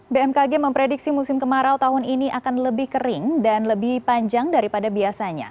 bmkg memprediksi musim kemarau tahun ini akan lebih kering dan lebih panjang daripada biasanya